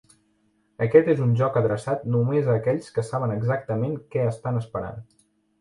Aquest és un joc adreçat només a aquells que saben exactament què estan esperant.